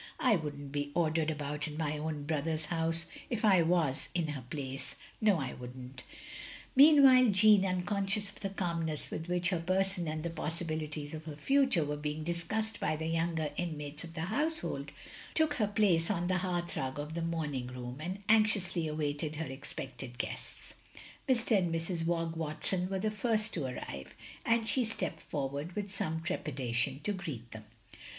I wouldn't be ordered about in my own brother's house, if I was in her place; no, I wotald n% " OF GROSVENOR SQUARE 213 Meanwhile Jeanne — ^unconscious of the calm ness with which her person, and the possibilities of her future, were being discussed by the younger inmates of the household — ^took her place on the hearthrug of the morning room, and anxiously awaited her expected guests. Mr. and Mrs. Hogg Watson were the first to arrive, and she stepped forward with some trep idation, to greet them.